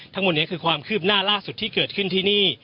ทั้งหมดนี้คือความคืบหน้าล่าสุดที่เกิดขึ้นที่นี่